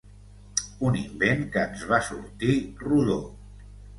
Un invent que ens va sortir rodó.